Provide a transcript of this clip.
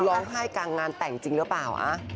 ร้องไห้กลางงานแต่งจริงหรือเปล่า